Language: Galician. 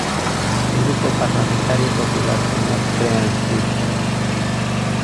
Grupo Parlamentario Popular, señor Freáns Viz.